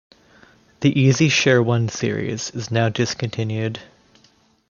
The EasyShare-One series is now discontinued.